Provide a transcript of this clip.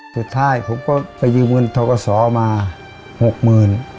สุดท้ายผมก็ไปยืมเงินทะกะสอมาหกหมื่น